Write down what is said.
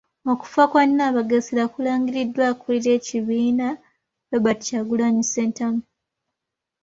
Okufa kwa Nabagesera kulangiriddwa akulira ekibiina, Robert Kyagulanyi Ssentamu.